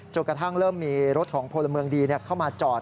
กระทั่งเริ่มมีรถของพลเมืองดีเข้ามาจอด